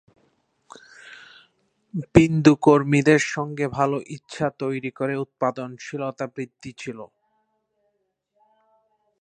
বিন্দু কর্মীদের সঙ্গে ভাল ইচ্ছা তৈরি করে উৎপাদনশীলতা বৃদ্ধি ছিল।